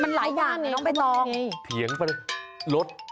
มันหลายอย่างป่ะน้องไปน้อง